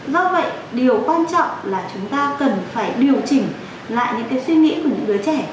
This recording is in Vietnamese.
do vậy điều quan trọng là chúng ta cần phải điều chỉnh lại những cái suy nghĩ của những đứa trẻ